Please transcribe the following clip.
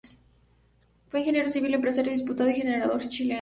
Fue ingeniero civil, empresario, diputado y senador chileno.